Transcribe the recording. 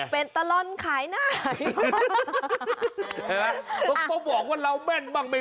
เป็นการเงินกันตี